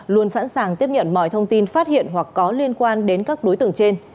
luôn sẵn sàng tiếp nhận mọi thông tin phát hiện hoặc có liên quan đến các đối tượng trên